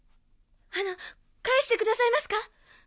あの返してくださいますか？